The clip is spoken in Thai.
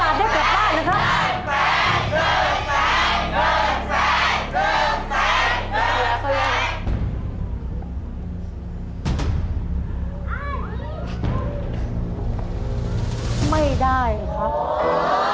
เตรียมเวลา